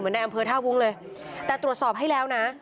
ในอำเภอท่าวุ้งเลยแต่ตรวจสอบให้แล้วนะ